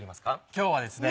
今日はですね。